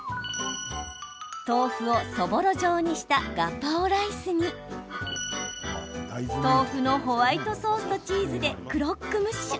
豆腐をそぼろ状にしたガパオライスに豆腐のホワイトソースとチーズでクロックムッシュ。